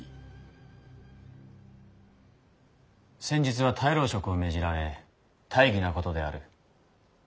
先日は大老職を命じられ大儀なことである。